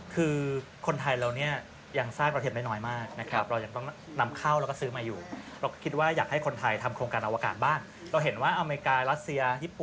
คือคนไทยเรานี่ยังซากเราเห็นได้น้อยมากนะครับ